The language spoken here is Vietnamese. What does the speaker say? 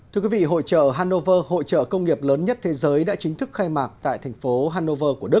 thưa quý vị hội trợ hannover hội trợ công nghiệp lớn nhất thế giới đã chính thức khai mạc tại thành phố